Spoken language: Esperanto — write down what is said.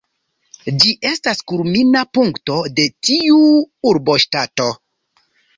Ĝi estas kulmina punkto de tiu urboŝtato.